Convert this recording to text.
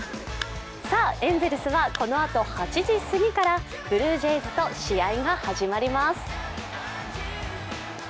エンゼルスはこのあと８時すぎからブルージェイズと試合が始まります。